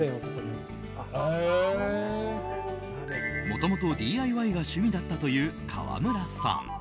もともとＤＩＹが趣味だったという川村さん。